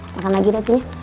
makan lagi ratunya